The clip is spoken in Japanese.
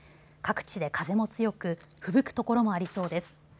各地で風も強くふぶく所もありそうです。